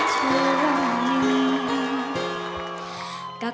หายชัด